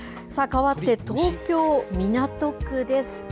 かわって東京・港区です。